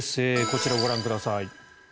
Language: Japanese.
こちらをご覧ください。